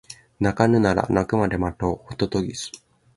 鳴かぬなら鳴くまで待とうホトトギス